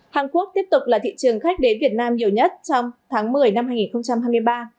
hàn quốc tiếp tục là thị trường khách đến việt nam nhiều nhất trong tháng một mươi năm hai nghìn hai mươi ba